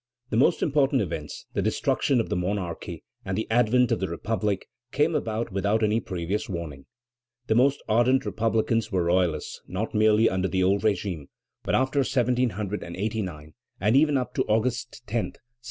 The most important events, the destruction of the monarchy and the advent of the Republic, came about without any previous warning." The most ardent republicans were royalists, not merely under the old régime, but after 1789, and even up to August 10, 1792.